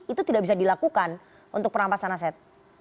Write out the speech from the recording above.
itu tidak bisa dilakukan untuk perampasan aset